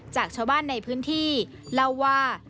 จากชาวบ้านในพื้นที่เล่าว่า